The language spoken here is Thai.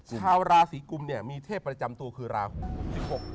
ชาวราศีกุมเนี่ยมีเทพประจำตัวคือราหู๑๖